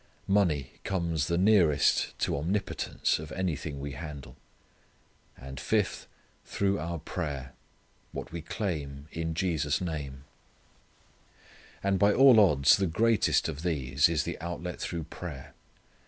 Money comes the nearest to omnipotence of anything we handle. And, fifth: through our prayer, what we claim in Jesus' name. And by all odds the greatest of these is the outlet through prayer.